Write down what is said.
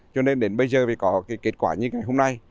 cho nên đến bây giờ thì có kết quả như ngày hôm nay